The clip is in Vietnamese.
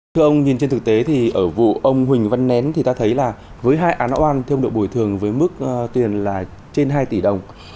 thưa ông nhìn trên thực tế thì ở vụ ông huỳnh văn nén thì ta thấy là với hai án oan theo ông được bồi thường với mức tiền là trên hai tỷ đồng